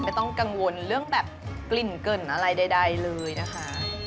ไม่ต้องกังวลเรื่องแบบกลิ่นเกินอะไรใดเลยนะคะ